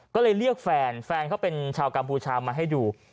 ก็เลยเรียกแฟนแฟนเขาเป็นชาวกัมพูชามาให้ดู